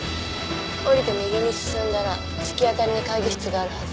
降りて右に進んだら突き当たりに会議室があるはず。